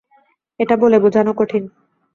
এটা বলে বোঝানো কঠিন।